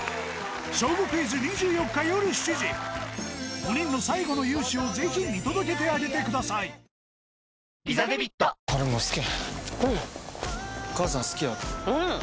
５人の最後の勇姿をぜひ見届けてあげてください届け。